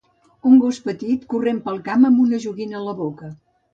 Un gos petit corrent pel camp amb una joguina a la boca.